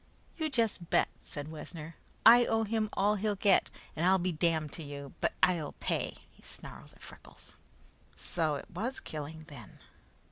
"You just bet," said Wessner. "I owe him all he'll get, and be damned to you, but I'll pay!" he snarled at Freckles. So it was killing, then.